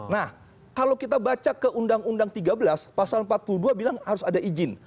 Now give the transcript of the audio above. nah kalau kita baca ke undang undang tiga belas pasal empat puluh dua bilang harus ada izin